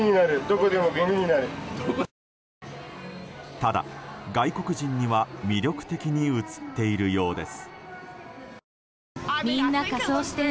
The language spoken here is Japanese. ただ外国人には魅力的に映っているようです。